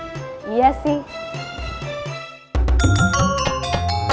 aku gak jadi gak enak makan sendirian